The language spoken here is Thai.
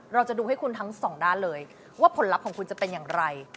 เราจะดูให้คุณทั้งสองด้านเลยว่าผลลัพธ์ของคุณจะเป็นอย่างไร